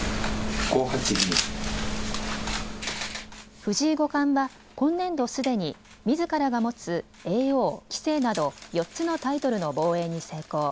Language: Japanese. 藤井五冠は今年度すでにみずからが持つ叡王、棋聖など４つのタイトルの防衛に成功。